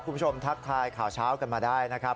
คุณผู้ชมทักทายข่าวเช้ากันมาได้นะครับ